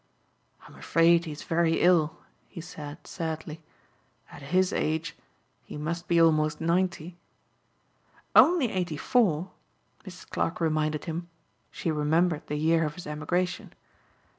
"I'm afraid he is very ill," he said sadly, "at his age he must be almost ninety " "Only eighty four," Mrs. Clarke reminded him. She remembered the year of his emigration.